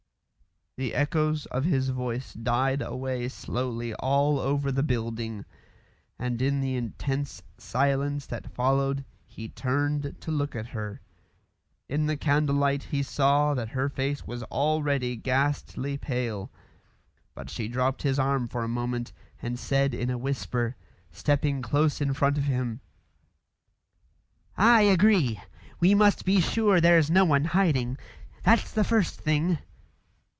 The echoes of his voice died away slowly all over the building, and in the intense silence that followed he turned to look at her. In the candle light he saw that her face was already ghastly pale; but she dropped his arm for a moment and said in a whisper, stepping close in front of him "I agree. We must be sure there's no one hiding. That's the first thing."